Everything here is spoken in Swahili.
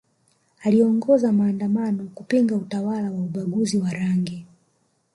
aliongoza maandamano kupinga utawala wa ubaguzi wa rangi